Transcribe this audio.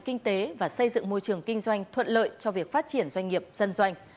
kinh tế và xây dựng môi trường kinh doanh thuận lợi cho việc phát triển doanh nghiệp dân doanh